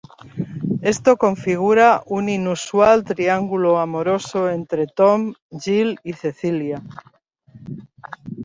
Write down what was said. Esto configura un inusual triángulo amoroso entre Tom, Gil y Cecilia.